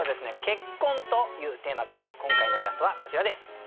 「結婚」というテーマから今回のイラストはこちらです。